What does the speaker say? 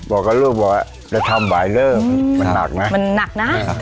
บอกกับลูกบอกว่าแล้วทำไบเหลิมนักน่ะ